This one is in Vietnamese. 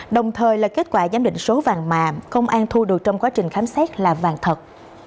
đồng thời là kết quả giám định số vàng mà công an thu được trong quá trình khám xét là vàng thật